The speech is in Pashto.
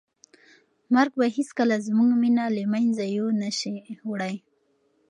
مرګ به هیڅکله زموږ مینه له منځه یو نه شي وړی.